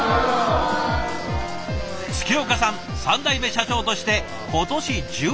月岡さん３代目社長として今年１６年目。